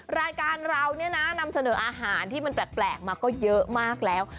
รายการเราเนี่ยนะนำเสนออาหารที่มันแปลกมาก็เยอะมากแล้ว